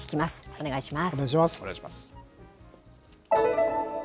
お願いします。